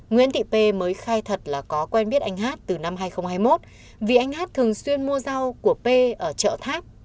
nguyễn thị p mới khai thật là có quen biết anh hát từ năm hai nghìn hai mươi một vì anh hát thường xuyên mua rau của p ở chợ tháp